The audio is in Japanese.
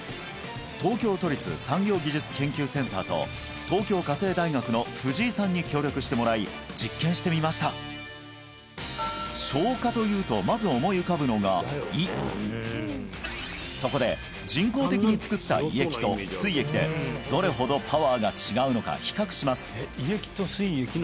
東京都立産業技術研究センターと東京家政大学の藤井さんに協力してもらい実験してみました消化というとまず思い浮かぶのが胃そこで人工的に作った胃液とすい液でどれほどパワーが違うのか比較します